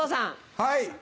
はい。